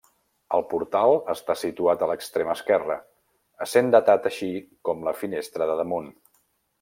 El portal està situat a l'extrem esquerre, essent datat així com la finestra de damunt.